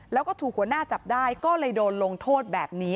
แล้วก็ถูกหัวหน้าจับได้ก็เลยโดนลงโทษแบบนี้